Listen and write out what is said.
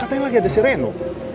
katanya lagi ada si reno